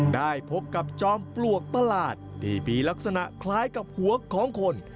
ได้พบกับจอมปลวกประหลาดที่มีลักษณะคล้ายกับหัวของคน